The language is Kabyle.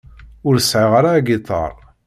Ur sɛiɣ ara agiṭar.